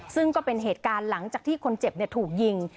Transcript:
ซึ่งก็เป็นเหตุการณ์หลังจากที่คนเจ็บถูกยิง